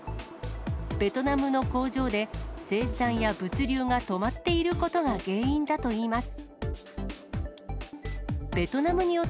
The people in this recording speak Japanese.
ベトナムの工場で、生産や物流が止まっていることが原因だといいます。